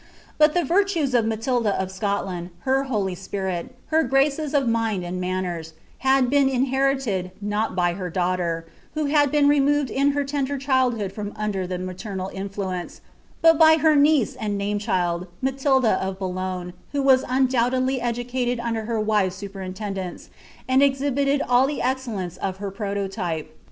But the TirUM* of Matilda of Scotland, her holy spirit, and iier ^ces of mind Uil manners, had been inherited, uoi by her daughter, (who had been removed in her lender cbddhood from under the matomal tnflueace,) | but by lier niece and name child, Matilda of Bonlogne, who was un doubtedly educated under her wise superintendence, and exhibited all the excellence of her prototype.